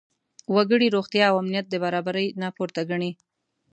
وګړي روغتیا او امنیت د برابرۍ نه پورته ګڼي.